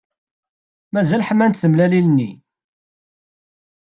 Mazal ḥmant tmellalin-nni.